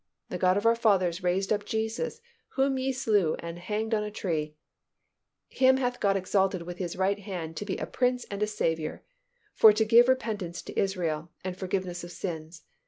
The God of our fathers raised up Jesus, whom ye slew and hanged on a tree. Him hath God exalted with His right hand to be a Prince and a Saviour, for to give repentance to Israel, and forgiveness of sins.